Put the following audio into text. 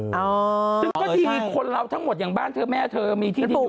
ซึ่งก็ดีคนเราทั้งหมดอย่างบ้านเธอแม่เธอมีที่ดินอยู่